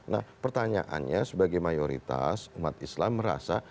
nah pertanyaannya sebagai mayoritas umat islam merasa